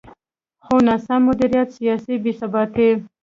خو ناسم مدیریت، سیاسي بې ثباتي.